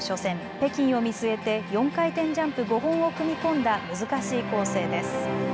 北京を見据えて４回転ジャンプ５本を組み込んだ難しい構成です。